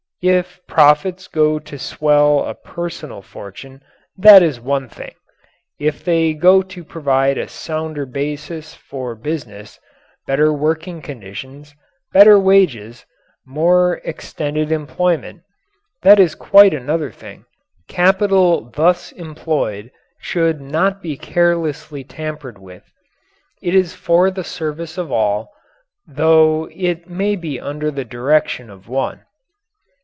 If profits go to swell a personal fortune, that is one thing; if they go to provide a sounder basis for business, better working conditions, better wages, more extended employment that is quite another thing. Capital thus employed should not be carelessly tampered with. It is for the service of all, though it may be under the direction of one.